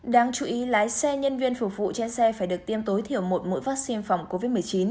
đáng chú ý lái xe nhân viên phục vụ trên xe phải được tiêm tối thiểu một mũi vaccine phòng covid một mươi chín